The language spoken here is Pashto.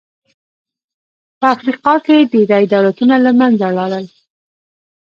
په افریقا کې ډېری دولتونه له منځه لاړل.